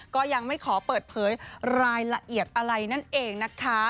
ก็ยังไม่ขอเปิดเผยรายละเอียดอะไรนั่นเองนะคะ